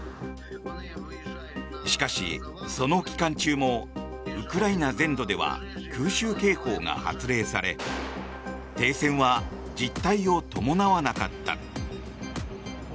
しかし、その期間中もウクライナ全土では空襲警報が発令され停戦は実態を伴わなかった。